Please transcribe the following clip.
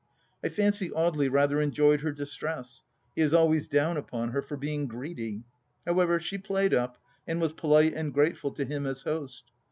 I fancy Audely rather enjoyed her distress ; he is always down upon her for being greedy ! However, she played up and was polite and grateful to him as host.